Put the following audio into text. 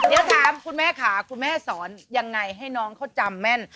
เดี๋ยวถามคุณแม่ค่ะคุณแม่สอนยังไงให้น้องเขาจำแม่น